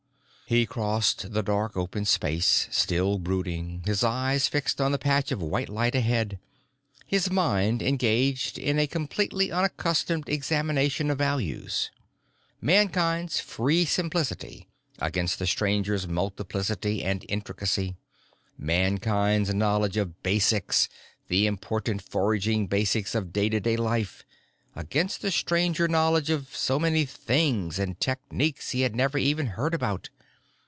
He crossed the dark open space, still brooding, his eyes fixed on the patch of white light ahead, his mind engaged in a completely unaccustomed examination of values. Mankind's free simplicity against the Stranger multiplicity and intricacy. Mankind's knowledge of basics, the important foraging basics of day to day life, against the Stranger knowledge of so many things and techniques he had never even heard about.